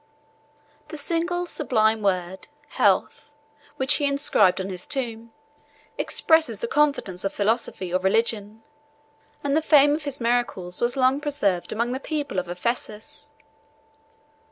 The single sublime word, "Health," which he inscribed on his tomb, expresses the confidence of philosophy or religion; and the fame of his miracles was long preserved among the people of Ephesus.